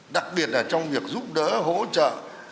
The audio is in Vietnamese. đặc biệt là trong việc giúp đỡ hỗ trợ